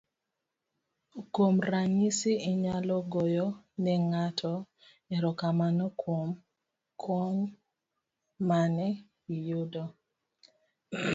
kuom ranyisi inyalo goyo ne ng'ato erokamano kuom kony mane iyudo